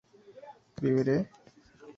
¿viviré?